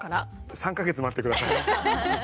３か月待って下さい。